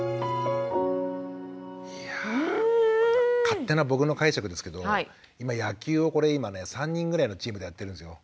勝手な僕の解釈ですけど今野球をこれ今ね３人ぐらいのチームでやってるんですよ。